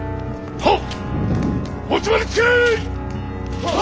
はっ。